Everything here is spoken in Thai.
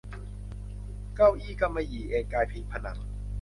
เก้าอี้กำมะหยี่เอนกายพิงผนัง